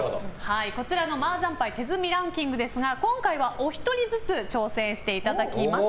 こちらの麻雀牌手積みランキングですが今回はお一人ずつ挑戦していただきます。